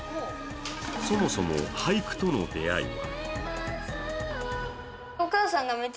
そもそも俳句との出会いは？